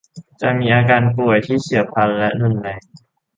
จะมีอาการป่วยที่เฉียบพลันและรุนแรง